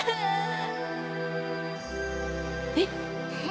えっ！？